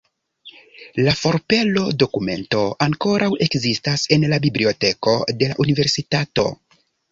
La forpelo-dokumento ankoraŭ ekzistas en la biblioteko de la universitato.